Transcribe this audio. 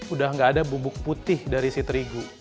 udah gak ada bubuk putih dari si terigu